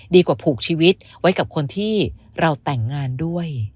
ดีกว่าผูกชีวิตไว้กับคนที่เราแต่งงานด้วย